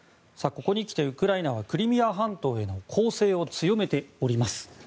ここにきてウクライナはクリミア半島への攻勢を強めております。